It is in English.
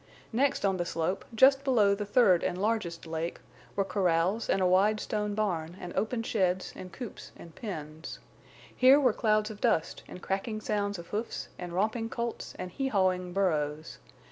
Next on the slope, just below the third and largest lake, were corrals and a wide stone barn and open sheds and coops and pens. Here were clouds of dust, and cracking sounds of hoofs, and romping colts and heehawing burros.